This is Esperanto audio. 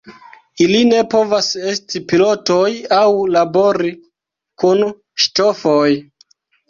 Ili ne povas esti pilotoj aŭ labori kun ŝtofoj.